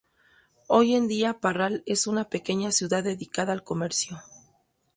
Hoy en día Parral es una pequeña ciudad dedicada al comercio.